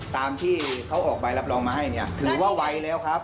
ตามที่เขาออกใบรับรองมาให้เนี่ยถือว่าไวแล้วครับ